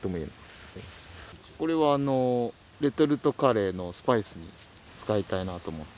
これはあのレトルトカレーのスパイスに使いたいなと思って。